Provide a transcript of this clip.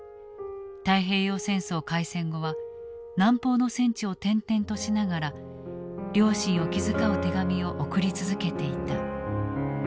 太平洋戦争開戦後は南方の戦地を転々としながら両親を気遣う手紙を送り続けていた。